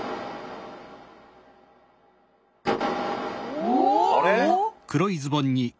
お！